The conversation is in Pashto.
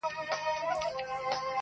زه اوسېږمه زما هلته آشیانې دي-